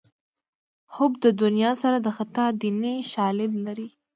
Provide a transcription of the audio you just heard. حب د دنیا سر د خطا دیني شالید لري